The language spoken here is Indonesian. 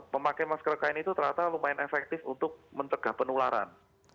memakai masker kain itu ternyata lumayan efektif untuk mencegah penularan